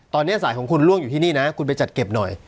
ตอนนี้สายของคุณล่วงอยู่ที่นี่นะคุณไปจัดเก็บหน่อย